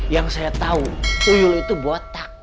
yang saya tau tuyul itu botak